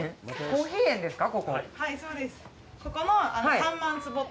コーヒー園ですか？